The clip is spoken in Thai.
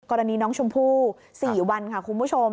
กรณีน้องชมพู่๔วันค่ะคุณผู้ชม